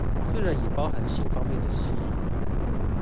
自然也包含性方面的吸引